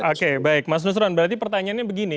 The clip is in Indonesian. oke baik mas nusron berarti pertanyaannya begini